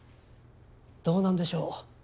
どうなんでしょう？